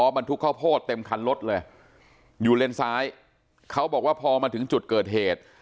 บรรทุกข้าวโพดเต็มคันรถเลยอยู่เลนซ้ายเขาบอกว่าพอมาถึงจุดเกิดเหตุ